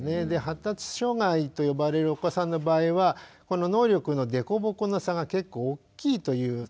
で発達障害と呼ばれるお子さんの場合はこの能力の凸凹の差が結構大きいという。